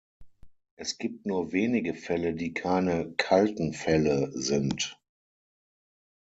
Es gibt nur wenige Fälle die keine "kalten Fälle" sind.